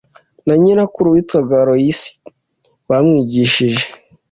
na nyirakuru witwaga Loyisi bamwigishije